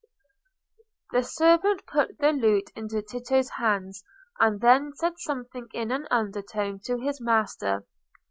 '" The servant put the lute into Tito's hands, and then said something in an undertone to his master.